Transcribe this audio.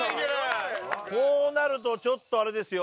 ・こうなるとちょっとあれですよ